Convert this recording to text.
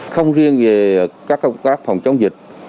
không riêng về các phòng chống dịch